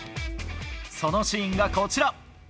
そのシーンがこちら。